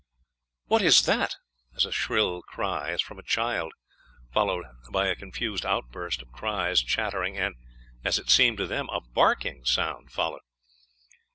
"What is that?" as a shrill cry, as from a child, followed by a confused outburst of cries, chattering, and, as it seemed to them, a barking sound, followed.